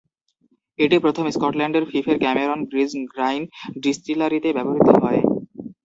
এটি প্রথম স্কটল্যান্ডের ফিফের ক্যামেরন ব্রিজ গ্রাইন ডিস্টিলারিতে ব্যবহৃত হয়।